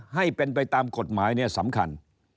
ให้เป็นไปตามกฎหมายสำคัญ